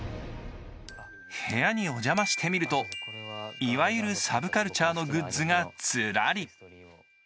部屋にお邪魔してみると、いわゆるサブカルチャーのグッズがずらり。